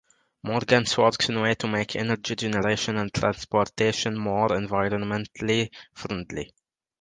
Morgans works on ways to make energy generation and transportation more environmentally friendly.